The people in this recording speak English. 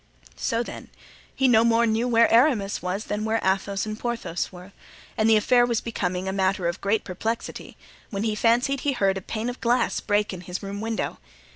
So, then, he no more knew where Aramis was than where Athos and Porthos were, and the affair was becoming a matter of great perplexity, when he fancied he heard a pane of glass break in his room window.